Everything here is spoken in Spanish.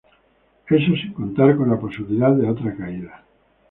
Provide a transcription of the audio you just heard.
Eso, sin contar con la posibilidad de otra caída.